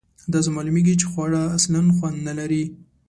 داسې معلومیږي چې خواړه اصلآ خوند نه لري.